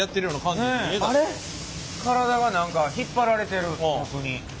体が何か引っ張られてる逆に。